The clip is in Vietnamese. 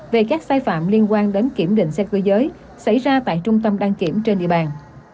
về các sai phạm liên quan đến kiểm định xe cơ giới xảy ra tại trung tâm đăng kiểm trên địa bàn